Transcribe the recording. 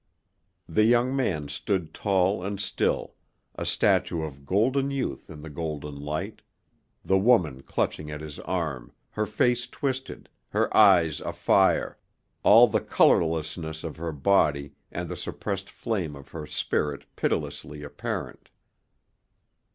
The young man stood tall and still a statue of golden youth in the golden light the woman clutching at his arm, her face twisted, her eyes afire, all the colorlessness of her body and the suppressed flame of her spirit pitilessly apparent.